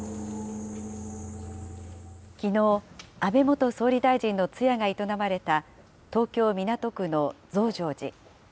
きのう、安倍元総理大臣の通夜が営まれた東京・港区の増上寺。